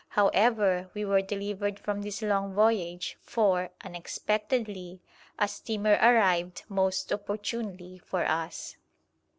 However, we were delivered from this long voyage, for, unexpectedly, a steamer arrived most opportunely for us.